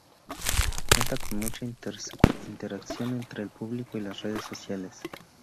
Cuenta con mucha interacción entre el público y las redes sociales.